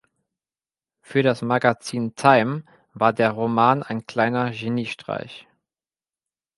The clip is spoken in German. Für das Magazin "Time" war der Roman ein kleiner Geniestreich.